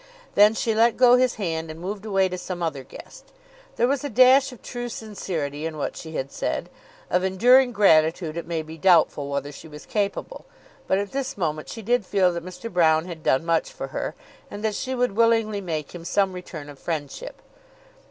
Then she let go his hand and moved away to some other guest. There was a dash of true sincerity in what she had said. Of enduring gratitude it may be doubtful whether she was capable: but at this moment she did feel that Mr. Broune had done much for her, and that she would willingly make him some return of friendship.